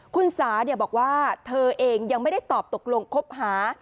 คุณสาบอกว่าเธอเองยังไม่ได้ตอบตกลงคบหา